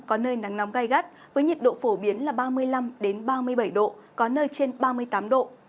có nơi nắng nóng gai gắt với nhiệt độ phổ biến là ba mươi năm ba mươi bảy độ có nơi trên ba mươi tám độ